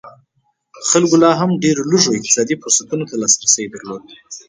خلکو لا هم ډېرو لږو اقتصادي فرصتونو ته لاسرسی درلود.